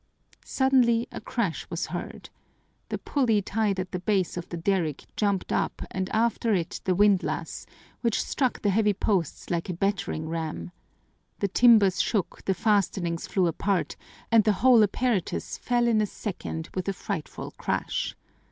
Suddenly a crash was heard. The pulley tied at the base of the derrick jumped up and after it the windlass, which struck the heavy posts like a battering ram. The timbers shook, the fastenings flew apart, and the whole apparatus fell in a second with a frightful crash.